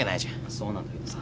そうなんだけどさ。